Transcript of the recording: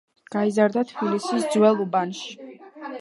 გაიზარდა თბილისის ძველ უბანში.